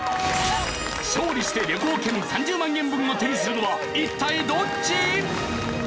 勝利して旅行券３０万円分を手にするのは一体どっち！？